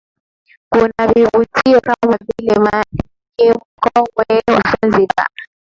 Kuna vivutio kama vile mji mkongwe wa Zanzibar